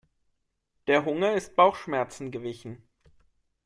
Der Hunger ist Bauchschmerzen gewichen.